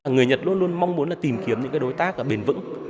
người nhật luôn luôn mong muốn là tìm kiếm những đối tác bền vững